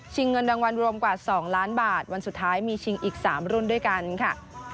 เงินรางวัลรวมกว่า๒ล้านบาทวันสุดท้ายมีชิงอีก๓รุ่นด้วยกันค่ะ